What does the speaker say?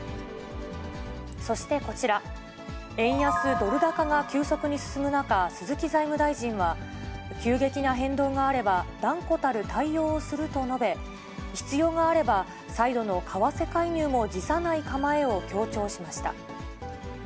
そしてこちら、円安ドル高が急速に進む中、鈴木財務大臣は、急激な変動があれば、断固たる対応をすると述べ、必要があれば、再度の為替介入も辞さない構えを強調しました。